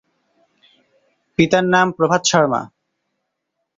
পিতার নাম প্রভাত শর্মা।